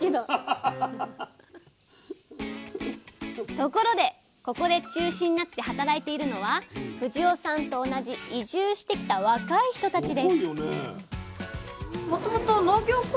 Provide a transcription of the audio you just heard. ところでここで中心になって働いているのは藤尾さんと同じ移住してきた若い人たちです